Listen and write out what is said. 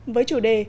với chủ đề